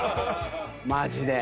マジで。